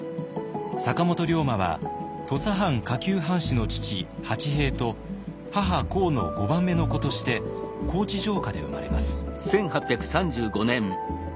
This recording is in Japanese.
坂本龍馬は土佐藩下級藩士の父八平と母幸の５番目の子として高知城下で生まれます。